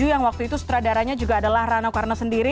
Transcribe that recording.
yang waktu itu sutradaranya juga adalah rano karna sendiri